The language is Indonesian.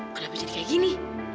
kenapa jadi kayak gini